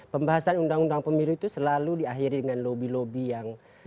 pembahasan undang undang pemilu itu selalu diakhiri dengan lobi lobi yang sangat bergantung